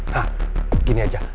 nah gini aja